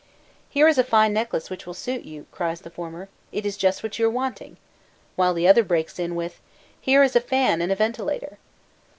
"Here is a fine necklace which will suit you," cries the former, "it is just what you are wanting;" while the other breaks in with: "Here is a fan and a ventilator."